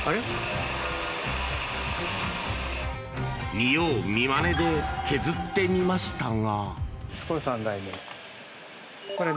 見様見真似で削ってみましたが。